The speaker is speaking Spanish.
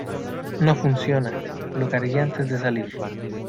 No funciona. Lo cargué antes de salir .